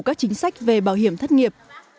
các chính sách về bảo hiểm thất nghiệp